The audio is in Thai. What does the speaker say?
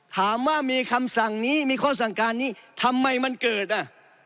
ถามว่ามีคำสั่งนี้มีข้อสั่งการนี้ทำไมมันเกิดอ่ะ